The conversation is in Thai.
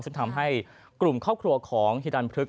ซึ่งทำให้กลุ่มครอบครัวของฮิรันพฤกษ